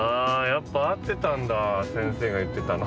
やっぱ合ってたんだ先生が言ってたの。